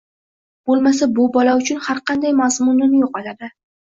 bo‘lmasa u bola uchun har qanday mazmunini yo‘qotadi.